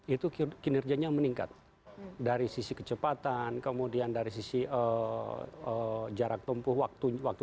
itu kinerjanya meningkat dari sisi kecepatan kemudian dari sisi jarak tempuh waktu